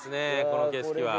この景色は。